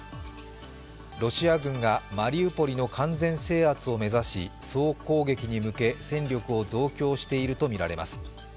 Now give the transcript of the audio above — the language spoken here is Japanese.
ロシア軍がマリウポリの完全制圧を目指し総攻撃に向け戦力を増強しているとみられます。